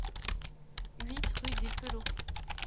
huit rue des Pelauds